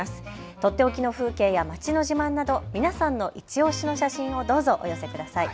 とっておきの風景や街の自慢など皆さんのいちオシの写真をどうぞお寄せください。